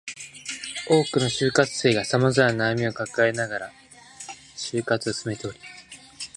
多くの就活生が様々な悩みを抱えながら就活を進めており